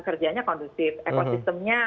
kerjanya kondusif ekosistemnya